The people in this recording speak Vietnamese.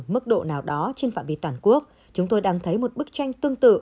mức độ nào đó trên phạm vi toàn quốc chúng tôi đang thấy một bức tranh tương tự